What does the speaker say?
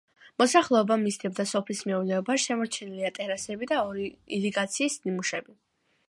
მოსახლეობა მისდევდა სოფლის მეურნეობას, შემორჩენილია ტერასები და ირიგაციის ნიმუშები.